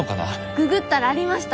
ググったらありました。